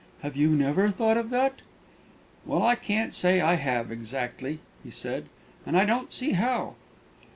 Have you never thought of that?" "Well, I can't say I have exactly," he said; "and I don't see how."